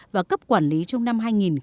và cấp quản lý trong năm hai nghìn một mươi chín